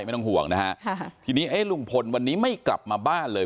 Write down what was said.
ไม่ต้องห่วงนะฮะค่ะทีนี้เอ๊ะลุงพลวันนี้ไม่กลับมาบ้านเลย